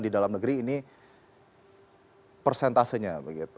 di dalam negeri ini persentasenya